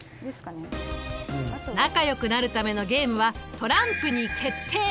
仲良くなるためのゲームはトランプに決定！